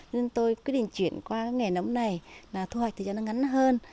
nên tôi quyết định chuyển qua nghề nấm này là thu hoạch thời gian ngắn hơn